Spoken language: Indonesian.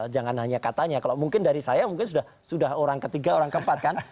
jangan hanya katanya kalau mungkin dari saya mungkin sudah orang ketiga orang keempat kan